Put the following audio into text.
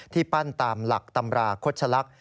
ปั้นตามหลักตำราคดชะลักษณ